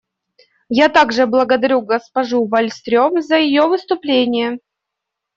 Я также благодарю госпожу Вальстрём за ее выступление.